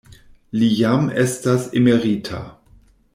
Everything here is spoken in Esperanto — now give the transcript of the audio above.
Li jam estas emerita.